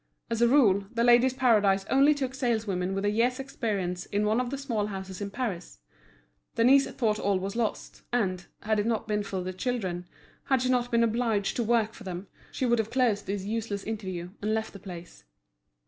As a rule, The Ladies' Paradise only took saleswomen with a year's experience in one of the small houses in Paris. Denise thought all was lost; and, had it not been for the children, had she not been obliged to work for them, she would have closed this useless interview and left the place.